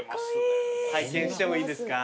拝見してもいいですか？